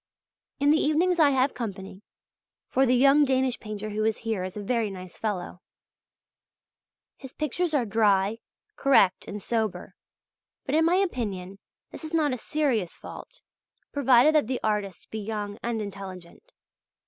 In the evenings I have company; for the young Danish painter who is here is a very nice fellow. His pictures are dry, correct, and sober; but in my opinion this is not a serious fault, provided that the artist be young and intelligent.